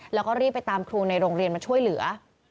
แล้วก็รีบไปตามครูในโรงเรียนมาช่วยเหลือ